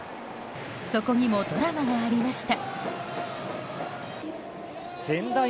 そこにもドラマがありました。